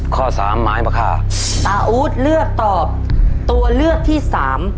ข้อสามไม้มะค่าตาอู๊ดเลือกตอบตัวเลือกที่สาม